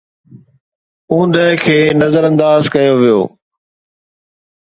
اوندهه کي نظرانداز ڪيو ويو